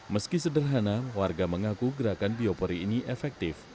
meski sederhana warga mengaku gerakan biopori ini efektif